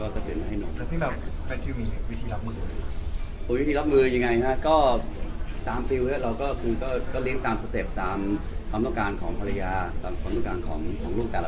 ก็เลยตามสเต็ปตามความต้องการของค่อนข้าง